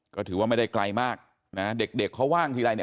ก็ถือว่าไม่ได้ไกลมากนะเด็กเด็กเขาว่างทีไรเนี่ย